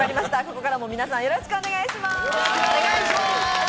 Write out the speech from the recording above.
ここからも皆さんよろしくお願いします。